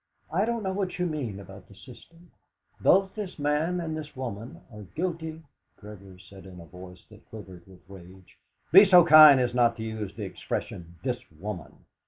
"I don't know what you mean about the system; both this man and this woman are guilty " Gregory said in a voice that quivered with rage: "Be so kind as not to use the expression, 'this woman.'.